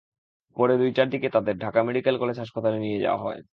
পরে দুইটার দিকে তাঁদের ঢাকা মেডিকেল কলেজ হাসপাতালে নিয়ে যাওয়া হয়।